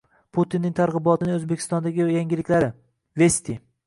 Putinning targ'ibotining O'zbekistondagi yangiliklari Vesti